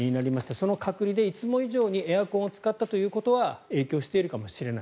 その隔離で、いつも以上にエアコンを使ったということは影響しているかもしれない。